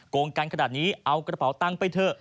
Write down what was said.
งกันขนาดนี้เอากระเป๋าตังค์ไปเถอะ